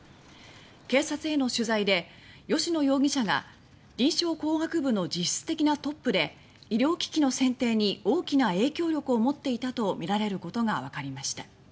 警察への取材で吉野容疑者が臨床工学部の実質的なトップで医療機器の選定に大きな影響力を持っていたとみられることがわかりました。